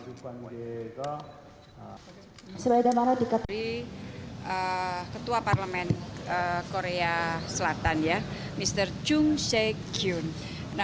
sebagai dana dikatakan oleh ketua parlemen korea selatan mr jung se kyun